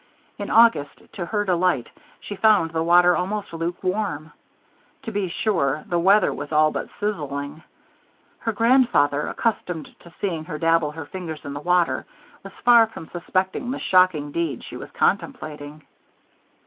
In August, to her delight, she found the water almost lukewarm. To be sure, the weather was all but sizzling. Her grandfather, accustomed to seeing her dabble her fingers in the water, was far from suspecting the shocking deed she was contemplating.